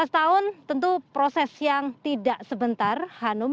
sebelas tahun tentu proses yang tidak sebentar hanum